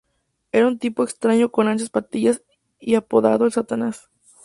Era un tipo extraño con anchas patillas y apodado el Satanás.